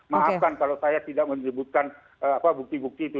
maafkan kalau saya tidak menyebutkan bukti bukti itu